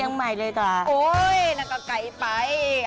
โอ๊ยนักกาไก่ไป